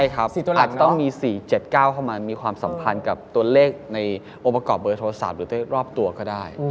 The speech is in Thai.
อาจจะต้องมี๔๗๙เข้ามามีความสัมพันธ์กับตัวเลขในองค์ประกอบเบอร์โทรศัพท์หรือรอบตัวก็ได้